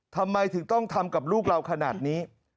ทำไมถึงต้องทำกับลูกเราขนาดนี้